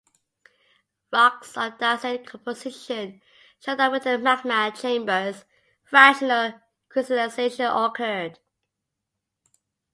Rocks of dacite composition show that within magma chambers frational crystallization occurred.